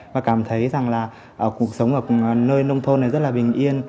và cảm thấy rằng là cuộc sống ở nơi nông thôn này rất là bình yên